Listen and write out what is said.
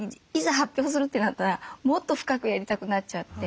発表するってなったらもっと深くやりたくなっちゃって。